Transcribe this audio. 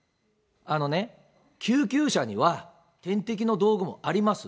あのね、救急車には、点滴の道具もあります。